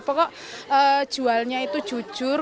pokoknya jualnya itu jujur